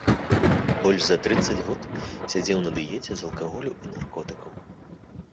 Больш за трыццаць год сядзеў на дыеце з алкаголю і наркотыкаў.